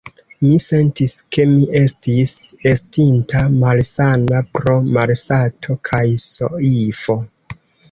Mi sentis, ke mi estis estinta malsana pro malsato kaj soifo.